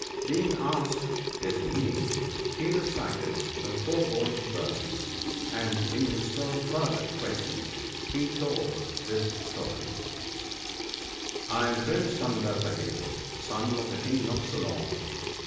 Being asked his meaning, he recited the foregoing verses, and, being still further questioned, he told this story — "I am Prince Kandarpa ketu, son of the King of Ceylon.